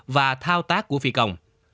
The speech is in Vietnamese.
và thao tác của phi công